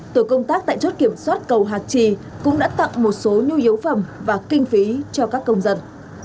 tổ công tác tại chốt kiểm soát cầu hạc trì cũng đã tặng một số nhu yếu phẩm và kinh phí cho các công dân